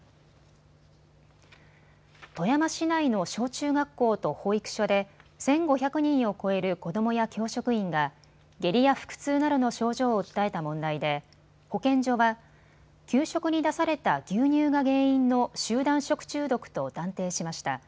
富山市内の小中学校と保育所で１５００人を超える子どもや教職員が下痢や腹痛などの症状を訴えた問題で保健所は給食に出された牛乳が原因の集団食中毒と断定しました。